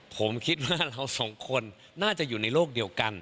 ผมคิดว่าเราสองคนน่าจะอยู่ในโลกเดียวกัน